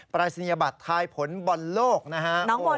รายศนียบัตรทายผลบอลโลกนะฮะ